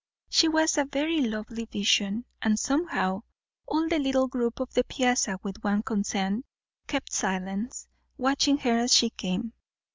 She was a very lovely vision, and somehow all the little group on the piazza with one consent kept silence, watching her as she came.